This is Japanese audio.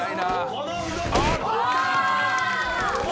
この動き。